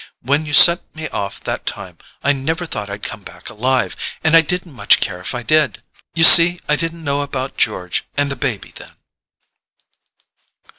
When you sent me off that time I never thought I'd come back alive, and I didn't much care if I did. You see I didn't know about George and the baby then."